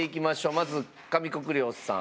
まず上國料さん。